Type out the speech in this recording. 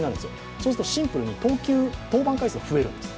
そうするとシンプルに登板回数が増えるんです。